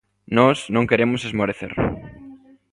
Nós non queremos esmorecer.